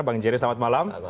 bang jerry selamat malam